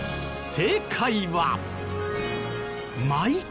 正解は。